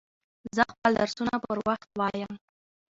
زه خپل درسونه پر وخت وایم.